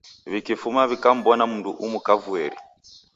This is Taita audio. W'ikifuma w'ikammbona mundu umu kavueri.